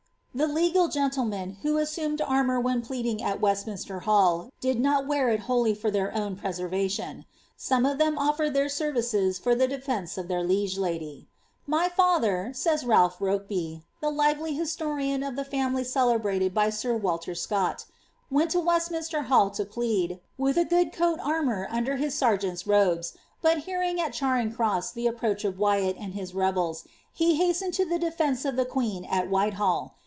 ' The legal gentlemen, who assumed armour when pleading at West minster Hall, did not wear it wholly for their own preservation ; some of them oflered their services for the defence of their li^re lady. "^ Mr fether,"8ays Ralph Rokeby,*(the lively historian of the family celebntcii by sir Walter Scott), ^ went to Westminster Hall to plead, with a gnoJ coal armour under his sergeant's robes, but hearing at Charing Cro^s the approach of Wyatt and his rebels, he hastened to the defence of the queen at Whitehall.